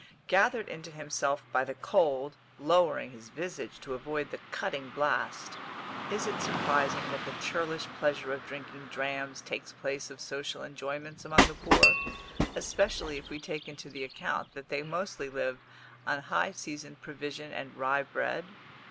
Gathered into himself by the cold, lowering his visage to avoid the cutting blast, is it surprising that the churlish pleasure of drinking drams takes place of social enjoyments amongst the poor, especially if we take into the account that they mostly live on high seasoned provision and rye bread?